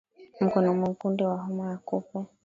Mkonjo Mwekundu wa homa ya kupe